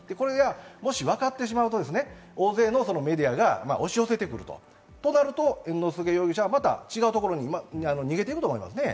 もしわかってしまうと、大勢のメディアが押し寄せてくるとなると、猿之助容疑者はまた違うところに逃げていくと思いますね。